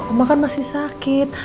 oma kan masih sakit